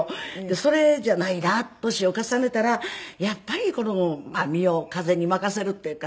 それじゃないな年を重ねたらやっぱりまあ身を風に任せるっていうか